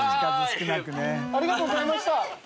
淵好織奪奸ありがとうございました。